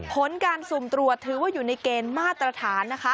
ผลการสุ่มตรวจถือว่าอยู่ในเกณฑ์มาตรฐานนะคะ